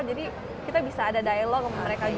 jadi kita bisa ada dialog sama mereka juga